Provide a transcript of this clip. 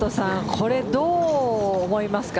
これどう思いますか。